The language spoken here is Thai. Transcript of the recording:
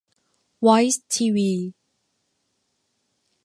'วอยซ์ทีวี'